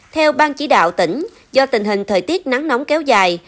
theo bang chỉ đạo tỉnh do tình hình thời tiết nắng nóng kéo dài